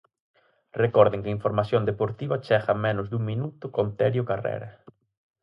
Recorden que a información deportiva chega en menos dun minuto con Terio Carrera.